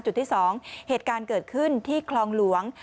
จุดที่๒เหตุการณ์เกิดขึ้นที่คลองหลวง